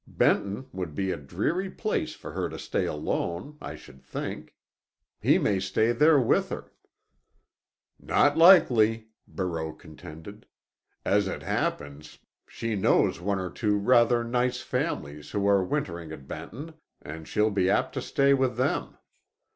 Benton would be a dreary place for her to stay alone, I should think. He may stay there with her." "Not likely," Barreau contended. "As it happens, she knows one or two rather nice families who are wintering at Benton, and she'll be apt to stay with them.